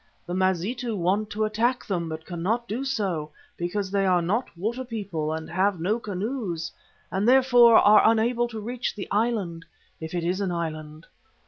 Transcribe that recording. The Mazitu want to attack them but cannot do so, because they are not water people and have no canoes, and therefore are unable to reach the island, if it is an island.